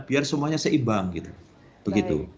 biar semuanya seimbang gitu